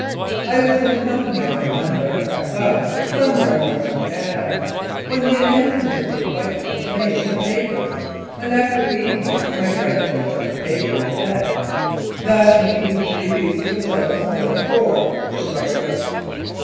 I was in the company of a member of that club "somewhere in Western Canada" when the announce ment of the appointment was made in the papers, and, after reading it, my friend closed up the paper aid said, "That means three pieces of toast, instead of four, for breakfast."